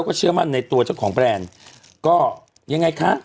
กำไร๘ล้านกว่าบาท